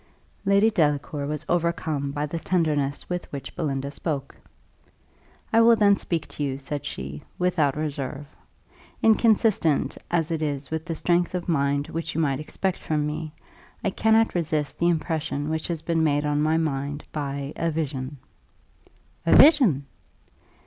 Lady Delacour was overcome by the tenderness with which Belinda spoke. "I will then speak to you," said she, "without reserve. Inconsistent as it is with the strength of mind which you might expect from me, I cannot resist the impression which has been made on my mind by a vision." "A vision!"